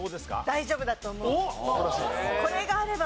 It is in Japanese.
大丈夫だと思う。